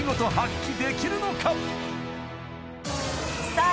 さあ